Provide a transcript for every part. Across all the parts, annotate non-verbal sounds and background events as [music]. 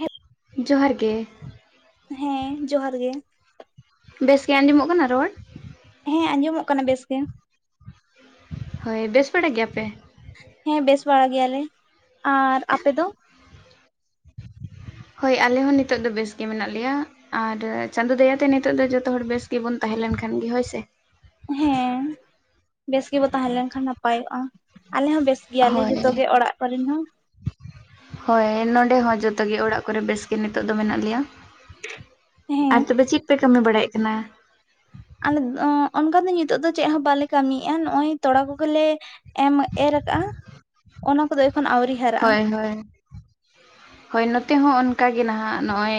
ᱦᱮᱸ ᱡᱚᱦᱟᱨ ᱜᱮ᱾ ᱦᱮᱸ ᱡᱚᱦᱟᱨ ᱜᱮ᱾ ᱵᱮᱥᱜᱮ ᱟᱸᱡᱚᱢᱚᱜ ᱠᱟᱱᱟ ᱨᱚᱲ? ᱦᱮᱸ ᱟᱸᱡᱚᱢᱚᱜ ᱠᱟᱱᱟ ᱵᱮᱥ ᱜᱮ᱾ ᱦᱳᱭ ᱵᱮᱥ ᱵᱟᱲᱟ ᱜᱮᱭᱟ ᱯᱮ? ᱦᱮᱸ ᱵᱮᱥ ᱵᱟᱲᱟ ᱜᱮᱭᱟᱞᱮ ᱟᱨ ᱟᱯᱮ ᱫᱚ? ᱦᱳᱭ ᱟᱞᱮ ᱦᱚᱸ ᱱᱤᱛᱚᱜ ᱫᱚ ᱵᱮᱥ ᱜᱮ ᱢᱮᱱᱟᱜ ᱞᱮᱭᱟ ᱟᱨ ᱪᱟᱸᱫᱚ ᱫᱟᱭᱟᱛᱮ ᱱᱤᱛᱚᱜ ᱫᱚ ᱡᱚᱛᱚ ᱦᱚᱲ ᱵᱮᱥ ᱜᱮᱵᱚᱱ ᱛᱟᱦᱮᱸ ᱞᱮᱱᱠᱷᱟᱱ ᱜᱮ ᱦᱳᱭ ᱥᱮ᱾ ᱦᱮᱸ ᱵᱮᱥ ᱜᱮᱵᱚ ᱛᱟᱦᱮᱸ ᱞᱮᱱᱠᱷᱟᱱ ᱱᱟᱯᱟᱭᱚᱜ-ᱟ᱾ ᱟᱞᱮ ᱦᱚᱸ ᱵᱮᱥ ᱜᱮᱭᱟᱞᱮ ᱦᱳᱭ ᱡᱚᱛᱚ ᱜᱮ ᱚᱲᱟᱜ ᱠᱚᱨᱮᱱ ᱦᱚ᱾ ᱦᱳᱭ ᱱᱚᱰᱮ ᱦᱚᱸ ᱡᱚᱛᱚ ᱜᱮ ᱚᱲᱟᱜ ᱠᱚᱨᱮ ᱵᱮᱥ ᱜᱮ ᱱᱤᱛᱚᱜ ᱫᱚ ᱢᱮᱱᱟᱜ ᱞᱮᱭᱟ᱾ ᱦᱮᱸ ᱟᱨ ᱛᱚᱵᱮ ᱪᱮᱜ ᱯᱮ ᱠᱟᱹᱢᱤ ᱵᱟᱲᱟᱭᱮᱜ ᱠᱟᱱᱟ? ᱟᱞᱮ ᱚᱱᱠᱟ ᱫᱚ ᱱᱤᱛᱚᱜ ᱫᱚ ᱪᱮᱜ ᱦᱚᱸ ᱵᱟᱞᱮ ᱠᱟᱹᱢᱤᱭᱮᱜ-ᱟ ᱱᱚᱜ-ᱚᱭ ᱛᱚᱲᱟ ᱠᱚᱜᱮᱞᱮ, [unintelligible] ᱮᱢ ᱮᱨᱟᱠᱟᱜ-ᱟ, ᱚᱱᱟ ᱠᱚᱫᱚ ᱮᱠᱷᱚᱱ ᱟᱹᱣᱨᱤ ᱦᱟᱨᱟᱜᱼᱟ ᱦᱚᱭ ᱦᱚᱭ ᱦᱳᱭ ᱱᱚᱛᱮ ᱦᱚᱸ ᱚᱱᱠᱟ ᱜᱮ ᱱᱟᱦᱟᱜ ᱱᱚᱜᱼᱚᱭ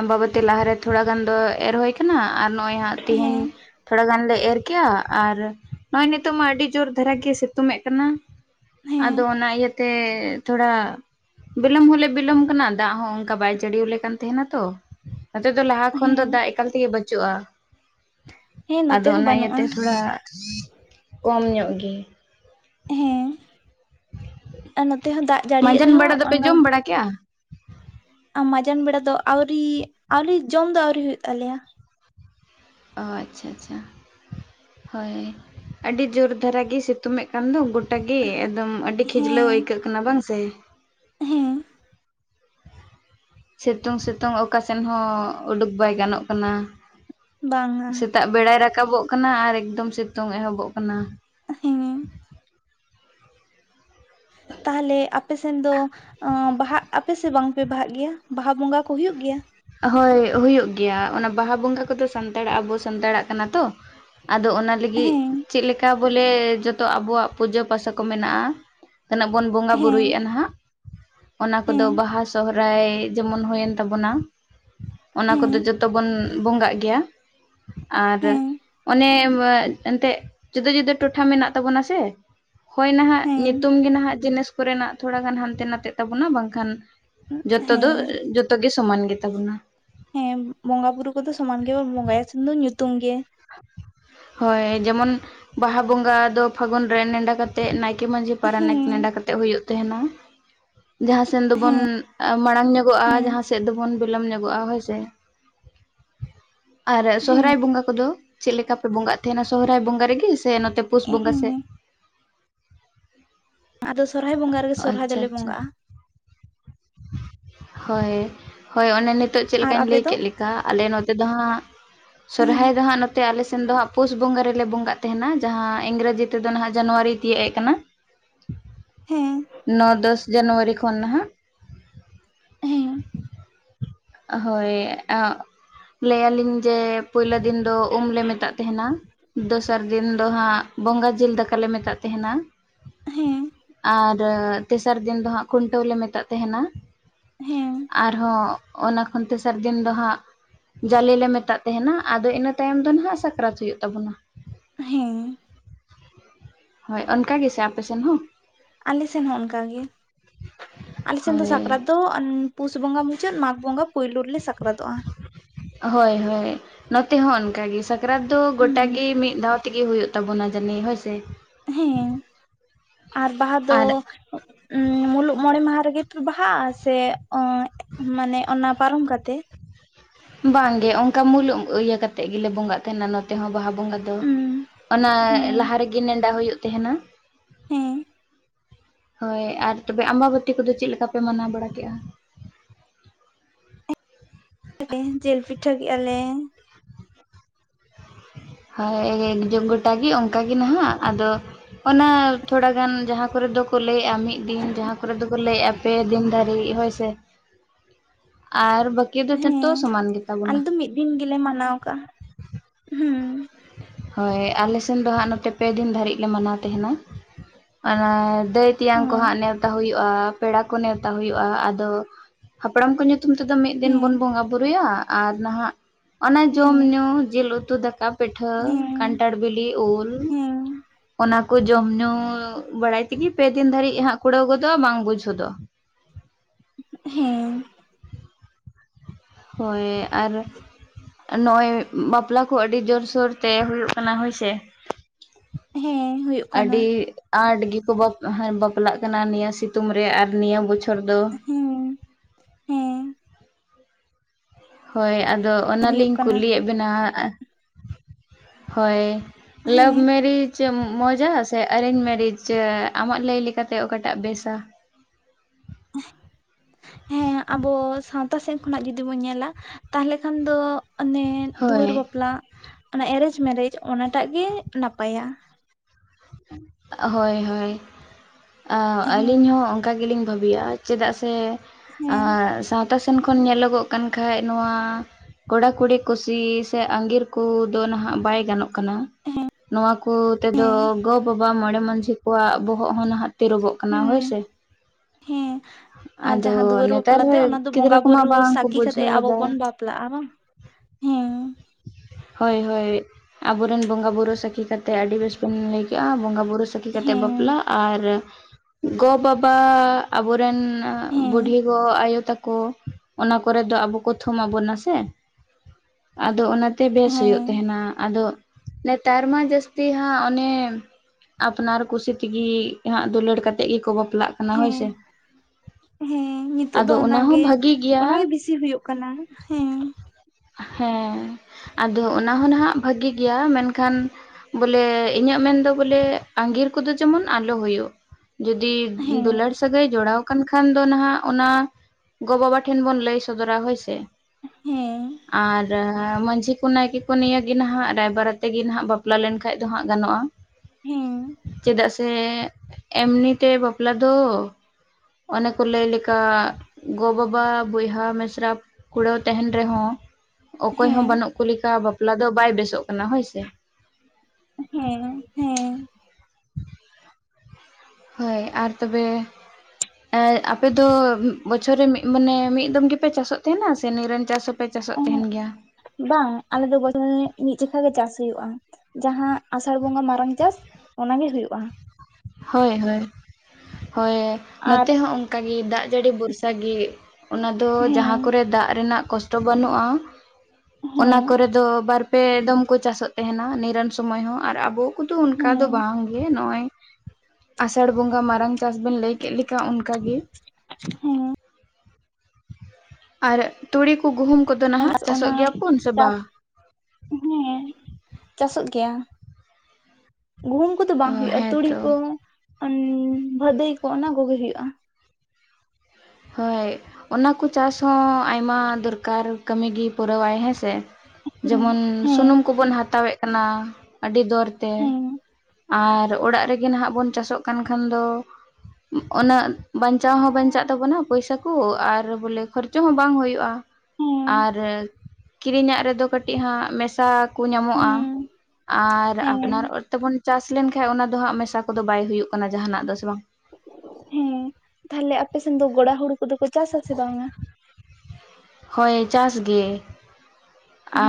ᱟᱢᱵᱟᱵᱚᱛᱤ ᱞᱟᱦᱟᱨᱮ ᱛᱷᱚᱲᱟ ᱜᱟᱱ ᱫᱚ ᱮᱨ ᱦᱳᱭ ᱟᱨ ᱱᱚᱜ-ᱚᱭ ᱦᱟᱸᱜ ᱛᱤᱦᱤᱧ ᱦᱮᱸ ᱛᱷᱚᱲᱟ ᱜᱟᱱᱞᱮ ᱮᱨ ᱜᱮᱭᱟ, ᱟᱨ ᱱᱚᱜ-ᱚᱭ ᱱᱤᱛᱚᱜ ᱢᱟ ᱟᱹᱰᱤ ᱡᱳᱨ ᱫᱷᱟᱨᱟ ᱜᱮ ᱥᱤᱛᱩᱝ ᱮᱫ ᱠᱟᱱᱟ ᱦᱮᱸ ᱟᱫᱚ ᱚᱱᱟ ᱤᱭᱟᱹᱛᱮ ᱛᱷᱚᱲᱟ ᱵᱤᱞᱚᱢ ᱦᱚᱞᱮ ᱵᱤᱞᱚᱢ ᱠᱟᱱᱟ ᱫᱟᱜ ᱦᱚᱸ ᱚᱱᱠᱟ ᱵᱟᱭ ᱡᱟᱹᱲᱤ ᱟᱞᱮ ᱠᱟᱱ ᱛᱟᱦᱮᱱᱟ ᱛᱟᱦᱮᱱᱟ ᱛᱚ ᱱᱚᱛᱮ ᱫᱚ ᱞᱟᱦᱟ ᱠᱷᱚᱱ ᱫᱚ ᱦᱮᱸ ᱫᱟᱜ ᱮᱠᱟᱞ ᱛᱮᱜᱮ ᱵᱟᱹᱪᱩᱜ-ᱟ ᱦᱮᱸ ᱟᱫᱚ ᱱᱚᱛᱮ ᱦᱚᱸ ᱚᱱᱟ ᱵᱟᱹᱱᱩᱜᱼᱟ ᱤᱭᱟᱹᱛᱮ ᱛᱷᱚᱲᱟ ᱠᱚᱢ ᱧᱚᱜ ᱜᱮ ᱦᱮᱸ ᱟᱨ ᱱᱚᱛᱮ ᱦᱚᱸ ᱫᱟᱜ ᱡᱟᱹᱲᱤᱭᱮᱜ ᱢᱟᱸᱡᱟᱱ ᱵᱮᱲᱟ ᱨᱮᱦᱚᱸ ᱟ [unintelligible] ᱟᱨ ᱢᱟᱡᱟᱱ ᱵᱮᱲᱟ ᱫᱚ ᱟᱹᱣᱨᱤ ᱟᱹᱣᱨᱤ ᱡᱚᱢ ᱫᱚ ᱟᱹᱣᱨᱤ ᱦᱩᱭᱩᱜ ᱛᱟᱞᱮᱭᱟ ᱚ ᱟᱪᱪᱷᱟ ᱟᱪᱪᱷᱟ ᱦᱳᱭ ᱟᱹᱰᱤ ᱡᱳᱨ ᱫᱷᱟᱨᱟ ᱜᱮ ᱥᱤᱛᱩᱝᱮᱫ ᱠᱟᱱ ᱫᱚ ᱜᱚᱴ ᱜᱚᱴᱟ ᱜᱮ ᱮᱠᱫᱚᱢ ᱟᱹᱰᱤ ᱠᱷᱤᱡᱞᱟᱹᱣ ᱦᱮᱸ ᱟᱹᱭᱠᱟᱹᱜ ᱠᱟᱱᱟ ᱵᱟᱝ ᱥᱮ ᱦᱮᱸ ᱥᱤᱛᱳᱝ ᱥᱤᱛᱳᱝ ᱚᱠᱟᱥᱮᱫ ᱦᱚᱸ ᱳᱰᱳᱠ ᱵᱟᱭ ᱜᱟᱱᱚᱜ ᱠᱟᱱᱟ ᱵᱟᱝᱟ ᱥᱮᱛᱟᱜ ᱵᱮᱲᱟᱭ ᱨᱟᱠᱟᱵᱚᱜ ᱠᱟᱱᱟ ᱟᱨ ᱮᱠᱫᱚᱢ ᱥᱤᱛᱩᱝ ᱮᱦᱚᱵᱚᱜ ᱠᱟᱱᱟ ᱦᱩᱸᱢ ᱛᱟᱦᱚᱞᱮ ᱟᱯᱮᱥᱮᱱ ᱫᱚ ᱵᱟᱦᱟᱜ ᱟᱯᱮ ᱥᱮ ᱵᱟᱝᱯᱮ ᱵᱟᱦᱟᱜ ᱜᱮᱭᱟ ᱵᱟᱦᱟ ᱵᱚᱸᱜᱟ ᱠᱚ ᱦᱩᱭᱩᱜ ᱜᱮᱭᱟ ᱦᱳᱭ ᱦᱩᱭᱩᱜ ᱜᱮᱭᱟ ᱚᱱᱟ ᱵᱟᱦᱟ ᱵᱚᱸᱜᱟ ᱠᱚᱫᱚ ᱥᱟᱱᱛᱟᱲᱟᱜ ᱟᱵᱚ ᱥᱟᱱᱛᱟᱲᱟᱜ ᱠᱟᱱᱟ ᱛᱚ ᱟᱫᱚ ᱚᱱᱟ ᱞᱟᱹᱜᱤᱫ ᱦᱮᱸ ᱪᱮᱫ ᱞᱮᱠᱟ ᱵᱚᱞᱮ ᱡᱚᱛᱚ ᱟᱵᱚᱣᱟᱜ ᱯᱩᱡᱟᱹ ᱯᱟᱥᱟ ᱠᱚ ᱢᱮᱱᱟᱜ-ᱟ ᱛᱤᱱᱟᱹᱜ ᱵᱚᱱ ᱵᱚᱸᱜᱟ ᱦᱮᱸ ᱵᱩᱨᱩᱭᱮᱫ-ᱟ ᱱᱟᱦᱟᱜ ᱚᱱᱟ ᱠᱚᱫᱚ ᱦᱮᱸ ᱵᱟᱦᱟ ᱥᱚᱦᱨᱟᱭ ᱡᱮᱢᱚᱱ ᱦᱩᱭᱮᱱ ᱛᱟᱵᱚᱱᱟ ᱚᱱᱟ ᱠᱚᱫᱚ ᱦᱮᱸ ᱡᱚᱛᱚ ᱵᱚᱱ ᱵᱚᱸᱜᱟᱜ ᱜᱮᱭᱟ ᱟᱨ ᱦᱮᱸ ᱚᱱᱮ ᱮᱱᱛᱮᱜ ᱡᱩᱫᱟᱹ ᱡᱩᱫᱟᱹ ᱴᱚᱴᱷᱟ ᱢᱮᱱᱟᱜ ᱛᱟᱵᱚᱱᱟ ᱥᱮ ᱦᱳᱭ ᱱᱟᱦᱟᱜ ᱦᱮᱸ ᱧᱩᱛᱩᱢ ᱜᱮ ᱱᱟᱦᱟᱜ ᱡᱤᱱᱤᱥ ᱠᱚᱨᱮᱱᱟᱜ ᱛᱷᱚᱲᱟ ᱜᱟᱱ ᱦᱟᱱᱛᱮ ᱱᱟᱛᱮᱜ ᱛᱟᱵᱚᱱᱟ ᱵᱟᱝᱠᱷᱟᱱ ᱡᱚᱛᱚ ᱫᱚ ᱦᱮᱸ ᱡᱚᱛᱚ ᱜᱮ ᱥᱚᱢᱟᱱ ᱜᱮ ᱛᱟᱵᱚᱱᱟ ᱦᱮᱸ ᱵᱚᱸᱜᱟ ᱵᱩᱨᱩ ᱠᱚᱫᱚ ᱥᱚᱢᱟᱱ ᱜᱮᱵᱚᱱ ᱵᱚᱸᱜᱟᱭᱟ ᱥᱮᱱ ᱫᱚ ᱧᱩᱛᱩᱢ ᱜᱮ ᱦᱳᱭ ᱡᱮᱢᱚᱱ ᱵᱟᱦᱟ ᱵᱚᱸᱜᱟ ᱫᱚ ᱯᱷᱟᱹᱜᱩᱱ ᱨᱮ ᱱᱮᱸᱰᱟ ᱠᱟᱛ ᱛᱮᱜ ᱱᱟᱭᱠᱮ ᱢᱟᱺᱡᱷᱤ ᱯᱟᱨᱟᱱᱤᱠ ᱱᱮᱰᱟ ᱦᱮᱸ ᱠᱟᱛᱮᱜ ᱦᱩᱭᱩᱜ ᱛᱟᱦᱮᱱᱟ ᱡᱟᱦᱟᱸ ᱥᱮᱫ ᱫᱚᱵᱚᱱ ᱢᱟᱲᱟᱝ ᱧᱚᱜᱚᱜ-ᱟ ᱦᱮᱸ ᱡᱟᱦᱟᱸ ᱥᱮᱫ ᱫᱚᱵᱚᱱ ᱵᱤᱞᱚᱢ ᱧᱚᱜᱚᱜ-ᱟ ᱦᱳᱭᱥᱮ ᱟᱨ ᱥᱚᱦᱨᱟᱭ ᱦᱮᱸ ᱵᱚᱸᱜᱟ ᱠᱚᱫᱚ ᱚᱠᱟ ᱯᱮ ᱵᱚᱸᱜᱟ ᱛᱟᱦᱮᱱᱟ ᱥᱚᱦᱨᱟᱭ ᱵᱚᱸᱜᱟ ᱨᱮᱜᱮ ᱥᱮ ᱱᱚᱛᱮ ᱯᱩᱥ ᱵᱚᱸᱜᱟ ᱦᱮᱸ ᱥᱮᱫ? ᱟᱫᱚ ᱥᱚᱨᱦᱟᱭ ᱵᱚᱸᱜᱟ ᱨᱮᱜᱮ ᱥᱚᱨᱦᱟᱭ ᱟᱪᱪᱷᱟ ᱫᱚᱞᱮ ᱟᱪᱪᱷᱟ ᱵᱚᱸᱜᱟ-ᱟ ᱦᱳᱭ ᱦᱳᱭ ᱚᱱᱮ ᱱᱤᱛᱳᱜ ᱪᱮᱫ ᱟᱨ ᱞᱮᱠᱟᱹᱧ ᱟᱯᱮ ᱞᱟᱹᱭ ᱫᱚ ᱠᱮᱫ ᱞᱮᱠᱟ ᱟᱞᱮ ᱱᱚᱛᱮ ᱫᱚ ᱦᱟᱸᱜ ᱥᱚᱨᱦᱟᱭ ᱦᱮᱸ ᱫᱚ ᱦᱟᱸᱜ ᱱᱚᱛᱮ ᱟᱞᱮ ᱥᱮᱱ ᱫᱚ ᱦᱟᱸᱜ ᱯᱩᱥ ᱵᱚᱸᱜᱟ ᱨᱮᱜᱮ ᱞᱮ ᱵᱚᱸᱜᱟ ᱛᱟᱦᱮᱱᱟ ᱡᱟᱦᱟᱸ ᱤᱝᱨᱟᱡᱤ ᱛᱮᱫᱚ ᱱᱟᱦᱟᱜ ᱡᱟᱱᱩᱣᱟᱨᱤ ᱛᱤᱭᱮᱭᱮᱜ ᱠᱟᱱᱟ ᱦᱮᱸ ᱱᱚ ᱫᱚᱥ ᱡᱟᱱᱩᱣᱟᱨᱤ ᱠᱷᱚᱱ ᱱᱟᱦᱟᱜ ᱦᱮᱸ ᱦᱳᱭ ᱞᱟᱹᱭ ᱟᱞᱤᱧ ᱡᱮ ᱯᱳᱭᱞᱳ ᱫᱤᱱ ᱫᱚ ᱩᱢᱞᱮ ᱢᱮᱛᱟᱜ ᱛᱟᱦᱮᱱᱟ ᱫᱚᱥᱟᱨ ᱫᱤᱱ ᱫᱚ ᱦᱟᱸᱜ ᱵᱚᱸᱜᱟ ᱡᱮᱞ ᱫᱟᱠᱟ ᱞᱮ ᱢᱮᱛᱟᱜ ᱛᱟᱦᱮᱱᱟ ᱦᱮᱸ ᱟᱨ ᱛᱮᱥᱟᱨ ᱫᱤᱱ ᱫᱚ ᱦᱟᱸᱜ ᱠᱷᱩᱱᱴᱟᱹᱣ ᱞᱮ ᱢᱮᱛᱟᱜ ᱛᱟᱦᱮᱱᱟ ᱦᱮᱸ ᱟᱨᱦᱚ ᱚᱱᱟ ᱠᱷᱚᱱ ᱛᱮᱥᱟᱨ ᱫᱤᱱ ᱫᱚ ᱦᱟᱸᱜ ᱡᱟᱞᱮ ᱞᱮ ᱢᱮᱛᱟᱜ ᱛᱟᱦᱮᱱᱟ ᱟᱫᱚ ᱤᱱᱟᱹ ᱛᱟᱭᱚᱢ ᱫᱚ ᱱᱟᱦᱟᱜ ᱥᱟᱠᱨᱟᱛ ᱦᱩᱭᱩ ᱛᱟᱵᱚᱱᱟ ᱦᱮᱸ ᱦᱳᱭ ᱚᱱᱠᱟ ᱜᱮᱥᱮ ᱟᱯᱮ ᱥᱮᱱ ᱦᱚᱸ ᱟᱞ ᱥᱮᱱ ᱦᱚᱸ ᱚᱱᱠᱟᱜᱮ ᱟᱞᱮ ᱥᱮᱱ ᱫᱚ ᱦᱳᱭ ᱥᱟᱠᱨᱟᱛ ᱫᱚ ᱟᱱ ᱯᱩᱥ ᱵᱚᱸᱜᱟ ᱢᱩᱪᱟᱹᱫ ᱢᱟᱜᱽ ᱵᱚᱸᱜᱟ ᱯᱩᱭᱞᱩ ᱨᱮᱞᱮ ᱥᱟᱠᱨᱟᱛᱚᱜᱼᱟ ᱦᱳᱭ ᱦᱳᱭ ᱱᱚᱛᱮ ᱦᱚᱸ ᱚᱱᱠᱟᱜᱮ ᱥᱟᱠᱨᱟᱛ ᱫᱚ ᱜᱚᱴᱟ ᱩᱸ ᱜᱮ ᱢᱤᱫ ᱫᱷᱟᱣ ᱛᱮᱜᱮ ᱦᱳᱭᱳᱜ ᱛᱟᱵᱚᱱᱟ ᱡᱟᱹᱱᱤ ᱦᱳᱭ ᱥᱮ ᱦᱮ ᱟᱨ ᱵᱟᱦᱟ ᱫᱚ ᱟᱨ ᱢᱩᱞᱩᱜ ᱢᱚᱬᱮ ᱢᱟᱦᱟ ᱨᱮᱜᱮ ᱯᱮ ᱵᱟᱦᱟᱜ-ᱟ ᱥᱮ ᱮᱸ ᱢᱟᱱᱮ ᱚᱱᱟ ᱯᱟᱨᱚᱢ ᱠᱟᱛᱮ ᱵᱟᱝᱜᱮ ᱚᱱᱠᱟ ᱢᱩᱞᱩᱜ ᱤᱭᱟᱹ ᱠᱟᱛᱮᱫ ᱜᱮᱞᱮ ᱵᱚᱸᱜᱟᱜ ᱛᱟᱦᱮᱱᱟ ᱱᱚᱛᱮ ᱦᱚᱸ ᱵᱟᱦᱟ ᱵᱚᱸᱜᱟ ᱫᱚ ᱩᱸ ᱚᱱᱟ ᱦᱮᱸ ᱞᱟᱦᱟ ᱨᱮᱜᱮ ᱱᱮᱰᱟ ᱦᱩᱭᱩᱜ ᱛᱮᱦᱮᱱᱟ ᱦᱮᱸ ᱦᱳᱭ ᱟᱨ ᱛᱚᱵᱮ ᱟᱢᱵᱟᱵᱚᱛᱤ ᱠᱚᱫᱚ ᱪᱮᱫ ᱞᱮᱠᱟ ᱯᱮ ᱢᱟᱱᱟᱣ ᱵᱟᱲᱟ ᱠᱮᱫᱼᱟ ᱡᱤᱞ ᱯᱤᱴᱷᱟᱹ ᱠᱮᱫ ᱟᱞᱮ ᱦᱚᱭ [unintelligible] ᱜᱚᱴᱟᱜᱮ ᱚᱱᱠᱟᱜᱮ ᱱᱟᱦᱟᱜ ᱟᱫᱚ ᱚᱱᱟ ᱛᱷᱚᱲᱟ ᱜᱟᱱ ᱡᱟᱦᱟ ᱠᱚᱨᱮ ᱫᱚᱠᱚ ᱞᱟᱹᱭᱮᱫ-ᱟ ᱢᱤᱫ ᱫᱤᱱ ᱡᱟᱦᱟᱸ ᱠᱚᱨᱮ ᱫᱚᱠᱚ ᱞᱟᱹᱭᱮᱫᱼᱟ ᱯᱮ ᱫᱤᱱ ᱫᱷᱟᱹᱨᱤᱡ ᱦᱚᱭ ᱥᱮ [unintelligible] ᱟᱨ ᱵᱟᱠᱤ ᱫᱚ ᱡᱚᱛᱚ ᱦᱮᱸ ᱥᱚᱢᱟᱱ ᱟᱞᱮ ᱜᱮᱛᱟᱵᱚᱱᱟ ᱫᱚ ᱢᱤᱫ ᱫᱤᱱ ᱜᱮᱞᱮ ᱢᱟᱱᱟᱣ ᱟᱠᱟᱫ-ᱟ ᱦᱩᱸ ᱦᱚᱭ ᱟᱞᱮ ᱥᱮᱱ ᱫᱚ ᱦᱟᱜ ᱱᱚᱛᱮ ᱯᱮ ᱫᱤᱱ ᱫᱷᱟᱹᱨᱤᱡ ᱞᱮ ᱢᱟᱱᱟᱣ ᱛᱟᱦᱮᱱᱟ ᱚᱱᱟ ᱫᱟᱹᱭ ᱚ ᱛᱮᱭᱟᱝ ᱠᱚ ᱦᱟᱜ ᱱᱮᱣᱛᱟ ᱦᱩᱭᱩᱜᱼᱟ ᱯᱮᱲᱟ ᱠᱚ ᱱᱮᱣᱛᱟ ᱦᱩᱭᱩᱜᱼᱟ ᱟᱫᱚ ᱦᱟᱯᱲᱟᱢ ᱠᱚ ᱧᱩᱛᱩᱢ ᱛᱮᱫᱚ ᱢᱤᱫ ᱫᱤᱱ ᱵᱚᱱ ᱦᱮᱸ ᱵᱚᱸᱜᱟ ᱵᱩᱨᱩᱭᱟ ᱟᱨ ᱱᱟᱦᱟᱜ ᱚᱱᱟ ᱡᱚᱢ ᱦᱮᱸ ᱧᱩ ᱡᱤᱞ ᱩᱛᱩ ᱫᱟᱠᱟ ᱯᱤᱴᱷᱟᱹ ᱦᱮᱸ ᱠᱟᱱᱴᱟᱲ ᱵᱤᱞᱤ ᱩᱞ ᱦᱮᱸ ᱚᱱᱟ ᱠᱚ ᱡᱚᱢ ᱧᱩ ᱵᱟᱲᱟᱭ ᱛᱮᱜᱮ ᱯᱮᱫᱤᱱ ᱫᱷᱟᱹᱨᱤᱡ ᱦᱟᱸᱜ ᱠᱩᱲᱟᱹᱣ ᱜᱚᱫᱚᱜ-ᱟ ᱵᱟᱝ ᱵᱩᱡ ᱦᱚᱫᱚᱜ-ᱟ ᱦᱮᱸ ᱦᱳᱭ ᱟᱨ ᱱᱚ ᱚᱭ ᱵᱟᱯᱞᱟ ᱠᱚ ᱟᱹᱰᱤ ᱡᱳᱨᱥᱳᱨᱛᱮ ᱦᱩᱭᱩᱜ ᱠᱟᱱᱟ ᱦᱳᱭᱥᱮ ᱦᱮᱸ ᱦᱩᱭᱩᱜ ᱠᱟᱱᱟ ᱟᱹᱰᱤ ᱟᱸᱴ ᱜᱮᱠᱚ [unintelligible] ᱵᱟᱯᱞᱟᱜ ᱠᱟᱱᱟ ᱱᱤᱭᱟᱹ ᱥᱤᱛᱩᱝ ᱨᱮ ᱟᱨ ᱱᱤᱭᱟᱹ ᱵᱚᱪᱷᱚᱨ ᱫᱚ ᱦᱮᱸ ᱦᱮᱸ ᱦᱳᱭ ᱟᱫᱚ ᱦᱩᱭᱩᱜ ᱚᱱᱟᱞᱤᱧ ᱠᱟᱱᱟ ᱠᱩᱞᱤᱭᱮᱫ ᱵᱮᱱᱟ ᱦᱳᱭ ᱞᱟᱵᱷ ᱦᱮᱸ ᱢᱮᱨᱤᱡ ᱢᱚᱡᱟ ᱥᱮ ᱮᱨᱮᱧᱡᱽ ᱢᱮᱨᱤᱡᱽ ᱟᱢᱟᱜ ᱞᱟᱹᱭ ᱞᱮᱠᱟᱛᱮ ᱚᱠᱟᱴᱟᱜ ᱵᱮᱥᱟ [unintelligible] ᱦᱮ ᱟᱵᱚ ᱥᱟᱶᱛᱟ ᱥᱮᱫ ᱠᱷᱚᱱᱟᱜ ᱡᱩᱫᱤ ᱵᱚᱱ ᱧᱮᱞᱟ ᱛᱟᱦᱚᱞᱮ ᱠᱷᱟᱱ ᱫᱚ ᱚᱱᱮ ᱫᱩᱣᱟᱹᱨ ᱦᱳᱭ ᱵᱟᱯᱞᱟᱜ ᱚᱱᱟ ᱮᱨᱮᱧᱡᱽ ᱢᱮᱨᱮᱡᱽ ᱚᱱᱟᱴᱟᱜ ᱜᱮ ᱱᱟᱯᱟᱭᱟ ᱦᱳᱭ ᱦᱳᱭ ᱟ ᱦᱮᱸ ᱟᱹᱞᱤᱧ ᱦᱚᱸ ᱚᱱᱠᱟ ᱜᱮᱞᱤᱧ ᱵᱷᱟᱹᱵᱤᱭᱟ ᱪᱮᱫᱟᱜ ᱥᱮ ᱦᱮᱸ ᱥᱟᱶᱛᱟ ᱥᱮᱱ ᱠᱷᱚᱱ ᱧᱮᱞᱚᱜᱚᱜ ᱠᱟᱱ ᱠᱷᱟᱡ ᱱᱚᱣᱟ ᱠᱚᱲᱟᱠᱩᱲᱤ ᱠᱩᱥᱤ ᱥᱮ ᱟᱸᱜᱤᱨ ᱠᱚᱫᱚ ᱱᱟᱦᱟᱜ ᱵᱟᱭ ᱜᱟᱱᱚᱜ ᱠᱟᱱᱟ ᱠᱟᱱᱟ ᱦᱮᱸ ᱱᱚᱣᱟ ᱠᱚ ᱛᱮᱫᱚ ᱦᱮᱸ ᱜᱚ ᱵᱟᱵᱟ ᱢᱚᱬᱮ ᱢᱟᱸᱡᱷᱤ ᱠᱚᱣᱟᱜ ᱵᱚᱦᱚᱜ ᱦᱚᱸ ᱱᱟᱦᱟᱜ ᱛᱤᱨᱩᱵᱚᱜ ᱠᱟᱱᱟ ᱦᱳᱭ ᱥᱮ ᱦᱮ ᱟᱨ ᱡᱟᱦᱟᱸ ᱟᱫᱚ ᱫᱩᱣᱟᱹᱨ ᱱᱮᱛᱟᱨ ᱵᱟᱯᱞᱟᱛᱮ ᱚᱱᱟ ᱫᱚ ᱵᱚᱸᱜᱟ ᱜᱤᱫᱽᱨᱟᱹ ᱠᱚᱢᱟ ᱵᱩᱨᱩ ᱵᱟᱝᱠᱚ ᱥᱟᱠᱷᱤ ᱠᱟᱛᱮ ᱵᱩᱡᱷᱟᱹᱣ ᱟᱵᱚ ᱵᱚᱱ ᱮᱫᱟ ᱵᱟᱯ ᱞᱟᱜ-ᱟ ᱵᱟᱝ ᱦᱮᱸ ᱦᱳᱭ ᱦᱳᱭ ᱟᱵᱚᱨᱮᱱ ᱵᱚᱸᱜᱟ ᱵᱩᱨᱩ ᱥᱟᱹᱠᱷᱤ ᱠᱟᱛᱮᱫ ᱟᱹᱰᱤ ᱵᱮᱥ ᱵᱮᱱ ᱞᱟᱹᱭ ᱠᱮᱫ-ᱟ ᱵᱚᱸᱜᱟ ᱵᱩᱨᱩ ᱵᱩᱨᱩ ᱥᱟᱹᱠᱷᱤ ᱠᱟᱛᱮᱫ ᱵᱟᱯᱞᱟ ᱦᱮᱸ ᱟᱨ ᱜᱚ ᱵᱟᱵᱟ ᱟᱵᱚᱨᱮᱱ ᱦᱮᱸ ᱵᱩᱰᱷᱤ ᱜᱚ ᱟᱭᱳ ᱛᱟᱠᱚ ᱚᱱᱟ ᱠᱚᱨᱮ ᱫᱚ ᱟᱵᱚ ᱠᱚ ᱛᱷᱢ ᱟᱵᱚᱱᱟ ᱥᱮ ᱟᱫᱚ ᱚᱱᱟᱛᱮ ᱵᱮᱥ ᱦᱩᱭᱩᱜ ᱦᱮᱸ ᱛᱟᱦᱮᱱᱟ ᱟᱫᱚ ᱱᱮᱛᱟᱨ ᱢᱟ ᱡᱟᱹᱥᱛᱤ ᱦᱟᱸᱜ ᱚᱱᱮ ᱟᱯᱱᱟᱨ ᱠᱩᱥᱤ ᱛᱮᱜᱮ ᱦᱟᱜ ᱫᱩᱞᱟᱹᱲ ᱠᱟᱛᱮᱜ ᱜᱮᱠᱚ ᱵᱟᱯᱞᱟᱜ ᱠᱟᱱᱟ ᱦᱮᱸ ᱦᱳᱭᱥᱮ ᱦᱮᱸ ᱱᱤᱛᱚᱜ ᱫᱚ ᱟᱫᱚ ᱚᱱᱟ ᱦᱚᱸ ᱚᱱᱟᱜᱮ ᱵᱷᱟᱜᱤ ᱚᱱᱟᱜ ᱜᱮᱭᱟ ᱵᱮᱥ ᱥᱤ ᱦᱩᱭᱩᱜ ᱠᱟᱱᱟ ᱦᱮᱸ ᱦᱮᱸ ᱟᱫᱚ ᱚᱱᱟ ᱦᱚᱸ ᱱᱟᱦᱟᱜ ᱵᱷᱟᱹᱜᱤ ᱜᱮᱭᱟ ᱢᱮᱱᱠᱷᱟᱱ ᱵᱚᱞᱮ ᱤᱧᱟᱹᱜ ᱢᱮᱱ ᱫᱚ ᱵᱚᱞᱮ ᱟᱸᱜᱤᱨ ᱠᱚᱫᱚ ᱡᱮᱢᱚᱱ ᱟᱞᱚ ᱦᱩᱭᱩᱜ ᱡᱩᱫᱤ ᱦᱮᱸ ᱫᱩᱞᱟᱹᱲ ᱥᱟᱹᱜᱟᱹᱭ ᱡᱚᱲᱟᱣ ᱟᱠᱟᱱ ᱠᱷᱟᱱ ᱠᱷᱟᱱ ᱫᱚ ᱱᱟᱦᱟᱜ ᱚᱱᱟ ᱜᱚ ᱵᱟᱵᱟ ᱴᱷᱮᱱ ᱵᱚᱱ ᱞᱟᱹᱭ ᱥᱚᱫᱚᱨᱟ ᱦᱳᱭ ᱥᱮ ᱦᱮᱸ ᱟᱨ ᱢᱟᱸᱡᱷᱤ ᱠᱚ ᱱᱟᱭᱠᱮ ᱠᱚ ᱱᱤᱭᱟ. ᱜᱮ ᱱᱟᱦᱟᱜ ᱨᱟᱭᱵᱟᱨ ᱟᱛᱮᱜᱮ ᱱᱟᱦᱟᱜ ᱵᱟᱯᱞᱟ ᱞᱮᱱᱠᱟᱡ ᱫᱚ ᱦᱟᱸᱜ ᱜᱟᱱᱚᱜ-ᱟ ᱦᱮᱸ ᱪᱮᱫᱟᱜ ᱥᱮ ᱮᱢᱱᱤ ᱛᱮ ᱵᱟᱯᱞᱟ ᱫᱚ ᱚᱱᱮᱠᱚ ᱞᱟᱹᱭ ᱞᱮᱠᱟ ᱜᱚᱵᱟᱵᱟ ᱵᱚᱭᱦᱟ ᱢᱤᱥᱨᱟ ᱠᱩᱲᱟᱹᱣ ᱛᱟᱦᱮᱱ ᱨᱮᱦᱚᱸ ᱚᱠᱚᱭᱦᱚᱸ ᱦᱮᱸ ᱵᱟᱹᱱᱩᱜ ᱠᱚ ᱞᱮᱠᱟ ᱵᱟᱯᱞᱟ ᱫᱚ ᱵᱟᱭ ᱵᱮᱥᱚᱜ ᱠᱟᱱᱟ ᱦᱳᱭᱥᱮ ᱦᱮᱸ ᱦᱮᱸ ᱦᱳᱭ ᱟᱨ ᱛᱚᱵᱮ ᱮᱜ ᱟᱯᱮ ᱫᱚ ᱵᱚᱪᱷᱚᱨ ᱨᱮ ᱢᱟᱱᱮ ᱢᱤ ᱢᱤᱫ ᱫᱚᱢ ᱜᱮᱯᱮ ᱪᱟᱥᱚᱜ ᱛᱟᱦᱮᱱᱟ ᱥᱮ ᱱᱤᱨᱚᱱ ᱪᱟᱥ ᱯᱮ ᱪᱟᱥᱚᱜ ᱛᱟᱦᱮᱱ ᱜᱮᱭᱟ ᱵᱟᱝ ᱟᱞᱮ ᱫᱚ [unintelligible] ᱢᱤᱫ ᱪᱮᱠᱷᱟ ᱜᱮ ᱪᱟᱥ ᱦᱩᱭᱩᱜᱼᱟ ᱡᱟᱦᱟᱸ ᱟᱥᱟᱲ ᱵᱚᱸᱜᱟ ᱢᱟᱨᱟᱝ ᱪᱟᱥ ᱚᱱᱟᱜᱮ ᱦᱩᱭᱩᱜᱼᱟ ᱦᱳᱭ ᱦᱳᱭ ᱦᱳᱭ ᱟᱨ ᱱᱚᱛᱮ ᱦᱚᱸ ᱚᱱᱠᱟᱜᱮ ᱫᱟᱜ ᱡᱟᱹᱲᱤ ᱵᱷᱚᱨᱥᱟ ᱜᱮ ᱚᱱᱟ ᱫᱚ ᱦᱮᱸ ᱡᱟᱦᱟᱸ ᱠᱚᱨᱮ ᱫᱟᱜ ᱨᱮᱱᱟᱜ ᱠᱚᱥ ᱴᱚ ᱵᱟᱱᱩᱜ ᱟ ᱚᱱᱟ ᱦᱮᱸ ᱠᱚᱨᱮ ᱫᱚ ᱵᱟᱨ ᱯᱮ ᱫᱚᱢ ᱠᱚ ᱪᱟᱥᱚᱜ ᱛᱟᱦᱮᱱᱟ ᱱᱤᱨᱚᱱ ᱥᱚᱢᱚᱭ ᱦᱚᱸ ᱟᱨ ᱟᱵᱚ ᱠᱚᱫᱚ ᱚᱱᱠᱟ ᱫᱚ ᱦᱮᱸ ᱵᱟᱝᱜᱮ ᱱᱚᱜᱼᱚᱭ ᱟᱥᱟᱲ ᱵᱚᱸᱜᱟ ᱢᱟᱨᱟᱝ ᱪᱟᱥ ᱵᱮᱱ ᱞᱟᱹᱭ ᱠᱮᱫ ᱞᱮᱠᱟ ᱚᱱᱠᱟ ᱜᱮ ᱟᱨ ᱛᱩᱲᱤ ᱠᱚ ᱜᱩᱦᱩᱢ ᱠᱚᱫᱚ ᱱᱟᱦᱟᱜ ᱚᱱᱟ ᱪᱟᱥᱚᱜ ᱜᱮᱭᱟᱵᱚᱱ ᱥᱮ ᱪᱟᱥ ᱵᱟᱝ ᱦᱮᱸ ᱪᱟᱥᱚᱜ ᱜᱮᱭᱟ ᱜᱩᱦᱩᱢ ᱠᱚᱫᱚ ᱚ ᱵᱟᱝ ᱦᱩᱭᱩᱜᱼᱟ ᱛᱩᱲᱤ ᱠᱚ ᱦᱮᱸᱛᱚ ᱚᱱ ᱵᱟᱫᱩᱭ ᱠᱚ ᱚᱱᱟ ᱠᱚᱜᱮ ᱦᱩᱭᱩᱜᱼᱟ ᱦᱳᱭ ᱚᱱᱟᱠᱚ ᱪᱟᱥ ᱦᱚᱸ ᱟᱭᱢᱟ ᱫᱚᱨᱠᱟᱨ ᱠᱟᱹᱢᱤᱜᱮ ᱯᱩᱨᱟᱹᱣᱟᱭ ᱦᱮᱸᱥᱮ ᱦᱮᱸ ᱡᱮᱢᱚᱱ ᱦᱮᱸ ᱥᱩᱱᱩᱢ ᱠᱚᱵᱚᱱ ᱦᱟᱛᱟᱣᱮᱫ ᱠᱟᱱᱟ ᱟᱹᱰᱤ ᱫᱚᱨ ᱛᱮ ᱦᱮᱸ ᱟᱨ ᱚᱲᱟᱜ ᱨᱮᱜᱮ ᱱᱟᱦᱟᱜ ᱵᱚᱱ ᱪᱟᱥᱚᱜ ᱠᱟᱱ ᱠᱷᱟᱱ ᱫᱚ ᱩᱱᱟᱹᱜ ᱵᱟᱧᱪᱟᱣ ᱦᱚᱸ ᱵᱟᱧᱪᱟᱜ ᱛᱟᱵᱚᱱᱟ ᱯᱚᱭᱥᱟ ᱠᱚ ᱟᱨ ᱵᱚᱞᱮ ᱠᱷᱚᱨᱪᱚ ᱦᱚᱸ ᱵᱟᱝ ᱦᱩᱭᱩᱜᱼᱟ ᱦᱮᱸ ᱟᱨ ᱠᱤᱨᱤᱧᱟᱜ ᱨᱮᱫᱚ ᱠᱟᱹᱴᱤᱡ ᱦᱟᱸᱜ ᱢᱮᱥᱟ ᱠᱚ ᱧᱟᱢᱚᱜᱼᱟ ᱟᱨ ᱦᱮᱸ ᱟᱯᱱᱟᱨ ᱚᱨ ᱛᱮᱵᱚᱱ ᱪᱟᱥ ᱞᱮᱱ ᱠᱷᱟᱱ ᱚᱱᱟ ᱫᱚ ᱦᱟᱜ ᱢᱮᱥᱟ ᱠᱚᱫᱚ ᱵᱟᱭ ᱦᱩᱭᱩᱜ ᱠᱟᱱᱟ ᱡᱟᱦᱟᱱᱟᱜ ᱫᱚ ᱥᱮ ᱵᱟᱝ ᱦᱮᱸ ᱛᱟᱦᱞᱮ ᱟᱯᱮ ᱥᱮᱱ ᱫᱚ ᱜᱚᱲᱟ ᱦᱩᱲᱩ ᱠᱚᱫᱚ ᱠᱚ ᱪᱟᱥ ᱟᱥᱮ ᱵᱟᱝᱟ ᱦᱳᱭ ᱪᱟᱥᱜᱮ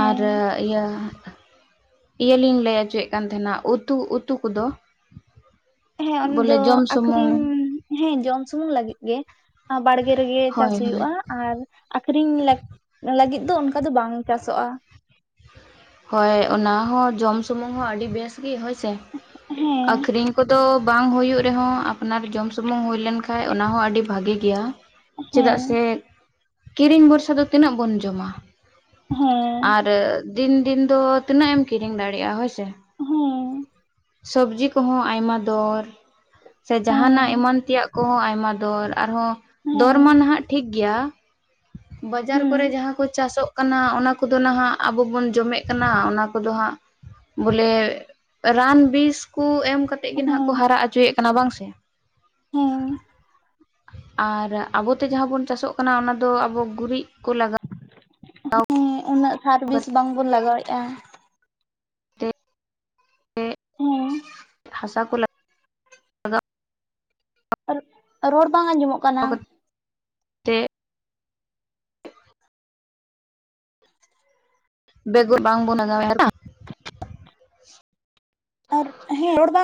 ᱟᱨ ᱤᱭᱟᱹ ᱤᱭᱟᱹ ᱞᱤᱧ ᱞᱟᱹᱭ ᱚᱪᱚᱭᱮᱫ ᱠᱟᱱ ᱛᱟᱦᱮᱱᱟ ᱩᱛᱩ ᱩᱛᱩ ᱠᱚᱫᱚ ᱦᱮᱸ ᱩᱱ ᱵᱚᱞᱮ ᱫᱚ ᱡᱚᱢ ᱥᱩᱢᱩᱝ ᱟᱠᱷᱨᱤᱧ ᱦᱮᱸ ᱡᱚᱢ ᱥᱩᱢᱩᱝ ᱞᱟᱹᱜᱤᱫ ᱜᱮ ᱵᱟᱲᱜᱮ ᱨᱮᱜᱮ ᱪᱟᱥ ᱦᱳᱭ ᱦᱳᱭ ᱦᱩᱭᱩᱜᱼᱟ ᱟᱨ ᱟᱠᱷᱨᱤᱧ ᱞᱟᱠ ᱞᱟᱹᱜᱤᱫ ᱫᱚ ᱚᱱᱠᱟ ᱫᱚ ᱵᱟᱝ ᱪᱟᱥᱚᱜᱼᱟ ᱦᱳᱭ ᱚᱱᱟ ᱦᱚᱸ ᱡᱚᱢ ᱥᱩᱢᱩᱝ ᱦᱚᱸ ᱟᱹᱰᱤ ᱵᱮᱥ ᱜᱮ ᱦᱳᱭ ᱥᱮ ᱦᱮᱸ ᱟᱠᱷᱨᱤᱧ ᱠᱚᱫᱚ ᱵᱟᱝ ᱦᱩᱭᱩᱜ ᱨᱮᱦᱚᱸ ᱟᱯᱱᱟᱨ ᱡᱚᱢ ᱥᱩᱢᱩᱝ ᱦᱩᱭ ᱞᱮᱱᱠᱷᱟᱡ ᱚᱱᱟᱦᱚᱸ ᱟᱹᱰᱤ ᱵᱷᱟᱜᱮ ᱜᱮᱭᱟ ᱪᱮᱫᱟᱜ ᱦᱮᱸ ᱥᱮ ᱠᱤᱨᱤᱧ ᱵᱚᱨᱥᱟ ᱫᱚ ᱛᱤᱱᱟᱹᱜ ᱵᱚᱱ ᱡᱚᱢᱟ ᱦᱮᱸ ᱟᱨ ᱫᱤᱱ ᱫᱤᱱ ᱫᱚ ᱛᱤᱱᱟᱹᱜ ᱮᱢ ᱠᱤᱨᱤᱧ ᱫᱟᱲᱮᱭᱟᱜᱼᱟ ᱦᱳᱭ ᱥᱮ ᱦᱮᱸ ᱥᱚᱵᱡᱤ ᱠᱚᱦᱚᱸ ᱟᱭᱢᱟ ᱫᱚᱨ ᱥᱮ ᱦᱮᱸ ᱡᱟᱦᱟᱱᱟᱜ ᱦᱮᱸ ᱮᱢᱟᱱ ᱛᱮᱭᱟᱜ ᱠᱚᱦᱚᱸ ᱟᱭᱢᱟ ᱫᱚᱨ ᱟᱨᱦᱚᱸ ᱫᱚᱨ ᱢᱟ ᱱᱟᱦᱟᱜ ᱴᱷᱤᱠ ᱜᱮᱭᱟ ᱵᱟᱡᱟᱨ ᱠᱚᱨᱮ ᱦᱮᱸ ᱡᱟᱦᱟᱸ ᱠᱚ ᱪᱟᱥᱚᱜ ᱠᱟᱱᱟ ᱚᱱᱟ ᱠᱚᱫᱚ ᱱᱟᱦᱟᱜ ᱟᱵᱚ ᱵᱚᱱ ᱡᱚᱢᱮᱫ ᱠᱟᱱᱟ ᱚᱱᱟ ᱠᱚᱫᱚ ᱦᱟᱸᱜ ᱵᱚᱞᱮ ᱨᱟᱱ ᱵᱤᱥ ᱠᱚ ᱮᱢ ᱠᱟᱛᱮᱜ ᱜᱮ ᱱᱟᱦ ᱠᱚ ᱦᱮᱸ ᱦᱟᱨᱟ ᱚᱪᱚᱭᱮᱫ ᱠᱟᱱᱟ ᱵᱟᱝ ᱥᱮ? ᱦᱮᱸ ᱟᱨ ᱟᱵᱚᱛᱮ ᱡᱟᱦᱟᱸ ᱵᱚᱱ ᱪᱟᱥᱚᱜ ᱠᱟᱱᱟ ᱚᱱᱟ ᱫᱚ ᱟᱵᱚ ᱜᱩᱨᱤᱡ ᱠᱚ ᱞᱟᱜ ᱦᱮᱸ ᱩᱱᱟᱹᱜ ᱥᱟᱨ ᱵᱤᱥ ᱠᱟᱛᱮ ᱵᱟᱝᱵᱚᱱ ᱞᱟᱜᱟᱣᱮᱫᱼᱟ᱾ ᱦᱮᱜ ᱦᱮᱸ ᱦᱟᱥᱟ ᱠᱚ ᱨᱚᱲ, ᱨᱚᱲ ᱵᱟᱝ ᱟᱸᱡᱚᱢᱚᱜ ᱠᱟᱱᱟ᱾ ᱛᱮᱜ ᱵᱮᱜᱚᱨ ᱵᱟᱝᱵᱚᱱ ᱟᱨ ᱦᱮᱸ ᱨᱚᱲ ᱵᱟᱝ